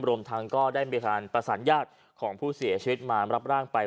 รวมทั้งก็ได้มีการประสานญาติของผู้เสียชีวิตมารับร่างไป